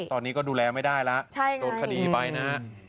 ตอนนี้ก็ดูแลไม่ได้ล่ะใช่ไงโดดคดีไปนะ